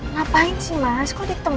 ngapain sih mas kok ditemuin